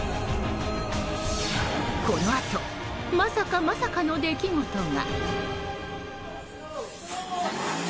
このあとまさかまさかの出来事が。